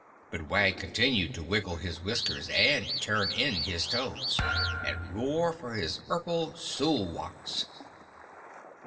But Wag continued to wiggle his whiskers and turn in his toes and roar for his urple sool wocks.